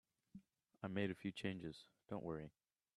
I made a few changes, don't worry.